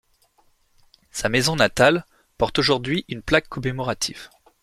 Sa maison natale porte aujourd'hui une Plaque commémorative.